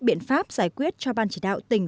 biện pháp giải quyết cho ban chỉ đạo tỉnh